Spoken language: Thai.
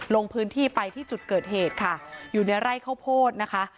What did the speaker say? ลงพื้นที่ไปที่จุดเกิดเหตุค่ะอยู่ในไร่ข้าวโพดนะคะ